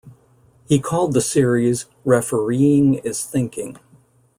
He called the series, Refereeing is thinking.